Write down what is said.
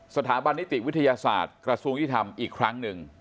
สถาบันนิติวิทยาศาสตร์กระทรวงยุทธรรมอีกครั้งหนึ่ง